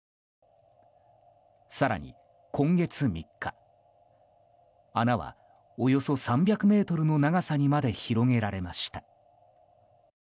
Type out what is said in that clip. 更に、今月３日穴はおよそ３００ｍの長さにまで広げられました。